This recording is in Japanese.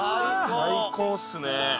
最高っすね